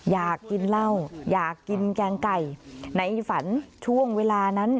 อยากกินเหล้าอยากกินแกงไก่ในฝันช่วงเวลานั้น